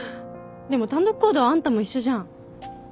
でも単独行動はあんたも一緒じゃん